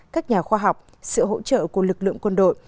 các nhà khoa học sự hỗ trợ của lực lượng quân đội